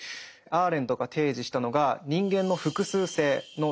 アーレントが提示したのが人間の複数性の重要性です。